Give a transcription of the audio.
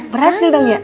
berhasil dong ya